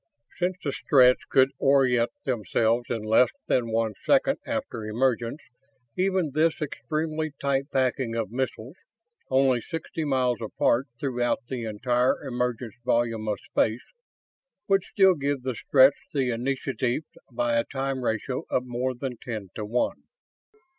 Since the Stretts could orient themselves in less than one second after emergence, even this extremely tight packing of missiles only sixty miles apart throughout the entire emergence volume of space would still give the Stretts the initiative by a time ratio of more than ten to one.